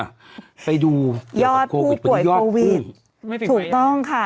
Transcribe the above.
ไปดูยอดผู้ป่วยโควิดถูกต้องค่ะ